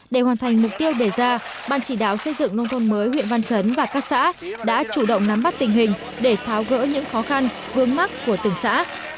để hoàn thành mục tiêu đề ra ban chỉ đáo xây dựng nông thôn mới huyện văn trấn và các xã đã chủ động nắm bắt tình hình để tháo gỡ những khó khăn vương mắc của từng xã